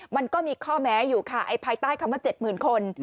มันก็มีข้อแม้อยู่ค่ะภายใต้คำว่า๗๐๐คน